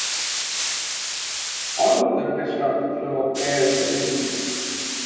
All of them disrupt the flow of air into eddies.